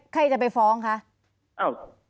ใครจะไปฟ้องคะ